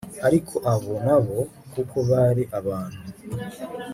ariko abo na bo, kuko bari abantu